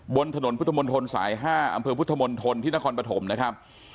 บนถนนพุทธมนตรสาย๕อำเภอพุทธมนตรที่นครปฐมนะครับ